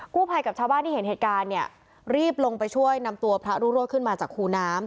ภัยกับชาวบ้านที่เห็นเหตุการณ์เนี่ยรีบลงไปช่วยนำตัวพระรุโรธขึ้นมาจากคูน้ำ